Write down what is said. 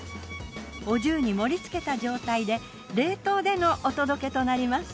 お重に盛り付けた状態で冷凍でのお届けとなります。